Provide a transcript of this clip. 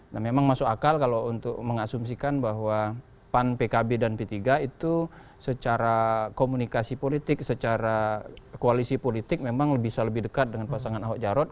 nah memang masuk akal kalau untuk mengasumsikan bahwa pan pkb dan p tiga itu secara komunikasi politik secara koalisi politik memang bisa lebih dekat dengan pasangan ahok jarot